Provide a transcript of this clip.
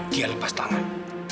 dia lepas tangan